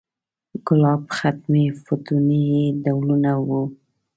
ګلاب، ختمي، فتوني یې ډولونه و.